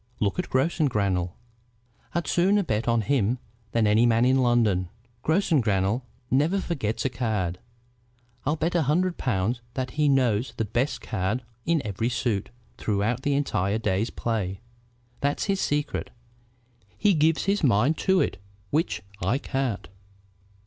Look at Grossengrannel. I'd sooner bet on him than any man in London. Grossengrannel never forgets a card. I'll bet a hundred pounds that he knows the best card in every suit throughout the entire day's play. That's his secret. He gives his mind to it, which I can't.